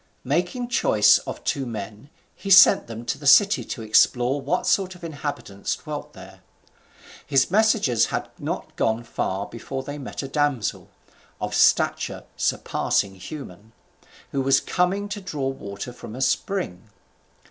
Making choice of two men, he sent them to the city to explore what sort of inhabitants dwelt there. His messengers had not gone far before they met a damsel, of stature surpassing human, who was coming to draw water from a spring.